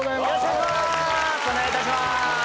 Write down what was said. お願いいたします！